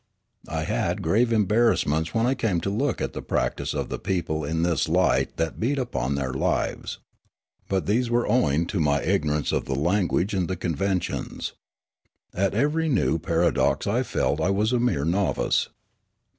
I had grave embarrassments when I came to look at the practice of the people in this light that beat upon their lives. But these were owing to my ignorance of the language and the conventions. At every new para dox I felt I was a mere novice.